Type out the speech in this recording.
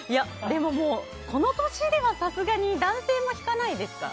でも、この年ではさすがに男性も引かないですか？